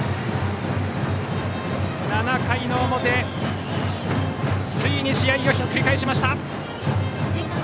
７回の表、ついに試合をひっくり返しました！